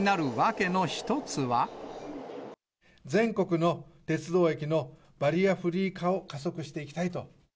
全国の鉄道駅のバリアフリー化を加速していきたいと。